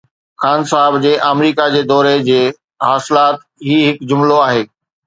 خان صاحب جي آمريڪا جي دوري جي حاصلات هي هڪ جملو آهي.